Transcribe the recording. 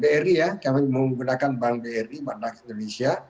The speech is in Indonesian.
bri ya kami menggunakan bank bri bandar indonesia